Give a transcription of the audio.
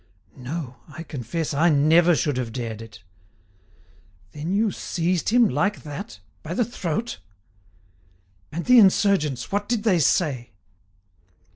"No; I confess I never should have dared it!" "Then you seized him, like that, by the throat? "And the insurgents, what did they say?"